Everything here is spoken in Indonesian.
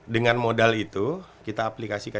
dengan modal itu kita aplikasi ke